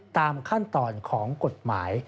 ตามขั้นตอนของกฎหมาย